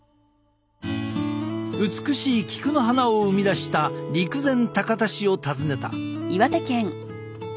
美しい菊の花を生み出した陸前高田市を訪ねた。